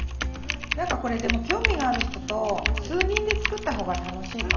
何かこれでもこれ興味がある人と数人で作ったほうが楽しいかも。